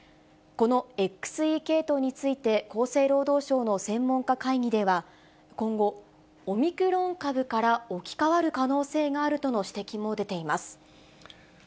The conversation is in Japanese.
このＸＥ系統について、厚生労働省の専門家会議では、今後、オミクロン株から置き換わる可能性があるとの指摘も出ています。